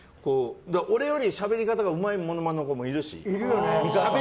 俺よりしゃべり方がうまいモノマネの子もいるし。